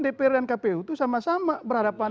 dpr dan kpu itu sama sama berhadapan